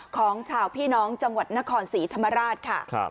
ของชาวพี่น้องจังหวัดนครศรีธรรมราชค่ะ